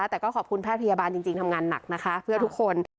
แต่ก็ขอบคุณแพทย์พยาบาลจริงทำงานหนักนะคะเพื่อทุกคน